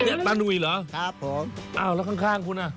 เนี่ยตานุ่ยเหรอครับผม